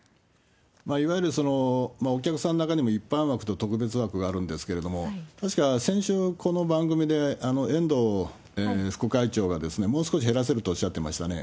いわゆるお客さんの中にも一般枠と特別枠があるんですけれども、確か先週、この番組で、遠藤副会長がもう少し減らせるとおっしゃってましたね。